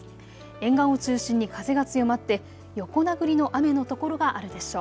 沿岸を中心に風が強まって横殴りの雨の所があるでしょう。